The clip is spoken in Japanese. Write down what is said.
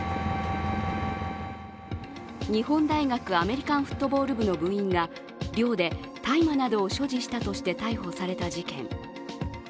日本大学アメリカンフットボール部の部員が寮で大麻などを所持したとして逮捕された事件。